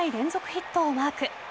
ヒットをマーク。